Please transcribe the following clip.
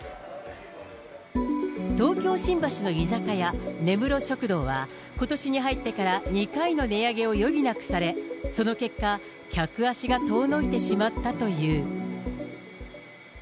東京・新橋の居酒屋、根室食堂はことしに入ってから２回の値上げを余儀なくされ、その結果、客足が遠のいてしまったという。